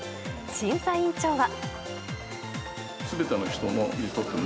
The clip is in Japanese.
審査委員長は。